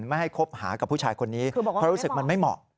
ไม่ให้คบหากับผู้ชายคนนี้เพราะรู้สึกมันไม่เหมาะ